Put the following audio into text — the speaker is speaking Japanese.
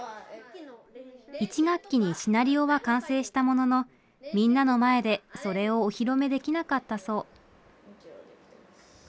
１学期にシナリオは完成したもののみんなの前でそれをお披露目できなかったそう。